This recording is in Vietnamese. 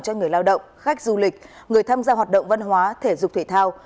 cho người lao động khách du lịch người tham gia hoạt động văn hóa thể dục thể thao